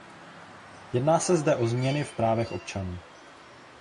Jedná se zde o změny v právech občanů.